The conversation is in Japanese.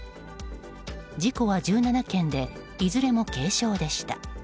事故は１７件でいずれも軽傷でした。